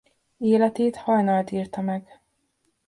Életét Haynald írta meg.